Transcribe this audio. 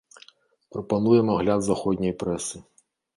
Прапануем агляд заходняй прэсы.